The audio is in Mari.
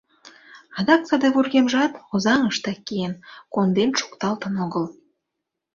Адак саде вургемжат Озаҥыштак киен, конден шукталтын огыл.